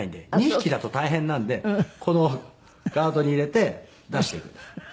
２匹だと大変なんでこのカートに入れて出していくんです。